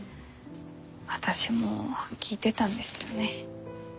私も聴いてたんですよね。